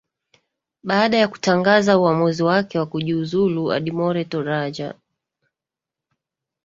baada ya kutangaza uamuzi wake wakujiuzulu adimore toraja